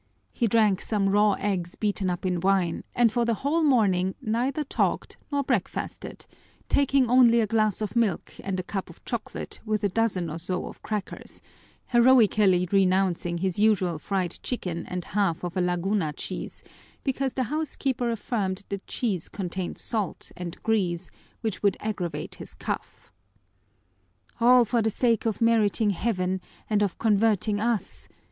He drank some raw eggs beaten up in wine and for the whole morning neither talked nor breakfasted, taking only a glass of milk and a cup of chocolate with a dozen or so of crackers, heroically renouncing his usual fried chicken and half of a Laguna cheese, because the housekeeper affirmed that cheese contained salt and grease, which would aggravate his cough. "All for the sake of meriting heaven and of converting us!"